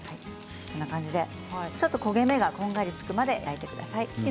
こんな感じで、ちょっと焦げ目がこんがりつくまで焼いてください。